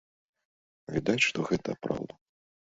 Відаць, што гэта праўда.